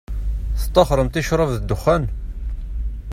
Tettaxxṛemt i ccṛab d dexxan?